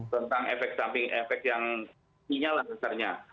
tentang efek samping efek yang sinyal dasarnya